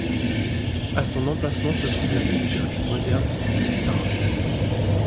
À son emplacement se trouve la ville turque moderne Çorlu.